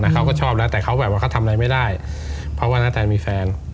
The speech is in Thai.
เขาก็ชอบแล้วแต่เขาแบบว่าเขาทำอะไรไม่ได้เพราะว่านาแตนมีแฟน